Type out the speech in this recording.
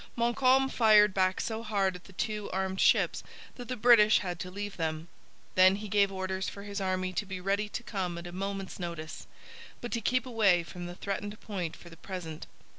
Montcalm fired back so hard at the two armed ships that the British had to leave them. Then he gave orders for his army to be ready to come at a moment's notice, but to keep away from the threatened point for the present.